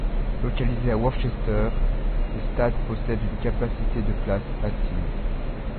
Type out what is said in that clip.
Localisé à Worcester, le stade possède une capacité de places assises.